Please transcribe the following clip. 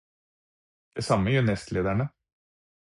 Det samme gjør nestlederne.